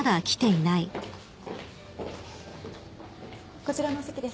こちらのお席です。